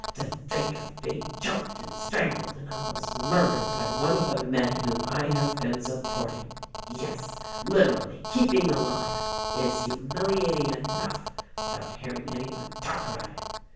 To think of being choked and strangled and almost murdered by one of the men whom I have been supporting, yes, literally keeping alive, is hu miliating enough — without hearing any one talk about it.